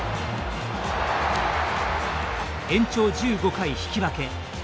延長１５回引き分け。